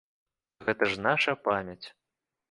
Гэта ж наша памяць!